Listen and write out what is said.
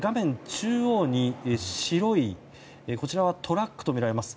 中央に白いトラックとみられます